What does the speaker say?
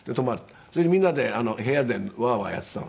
それでみんなで部屋でワーワーやってたの。